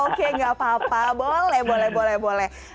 oke nggak apa apa boleh boleh